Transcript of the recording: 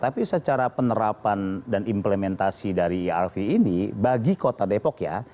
tapi secara penerapan dan implementasi dari irv ini bagi kota depok ya